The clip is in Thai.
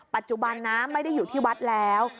ปัจจุบันนะไม่ได้อยู่ที่วัดแล้ว